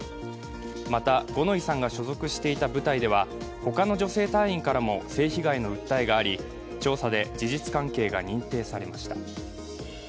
また五ノ井さんが所属していた部隊では他の女性隊員からも性被害の訴えがあり、調査で事実関係が認定されました。